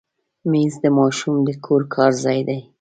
مېز د ماشوم د کور کار ځای دی.